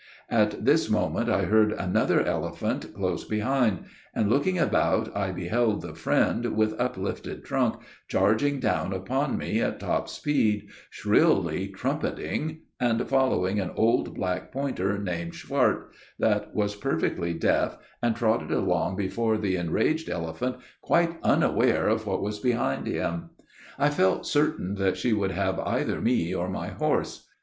At this moment I heard another elephant close behind; and looking about, I beheld the "friend," with uplifted trunk, charging down upon me at top speed, shrilly trumpeting, and following an old black pointer named Schwart, that was perfectly deaf and trotted along before the enraged elephant quite unaware of what was behind him. I felt certain that she would have either me or my horse.